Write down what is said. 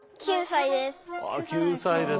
９歳です。